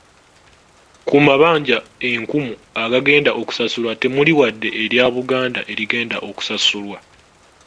Ku mabanja enkumu agagenda okusasulwa, temuli wadde erya Buganda erigenda okusasulwa.